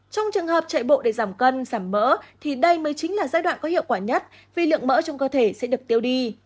trong trường hợp chạy bộ để giảm cân giảm mỡ thì đây mới chính là giai đoạn có hiệu quả nhất vì lượng mỡ trong cơ thể sẽ được tiêu đi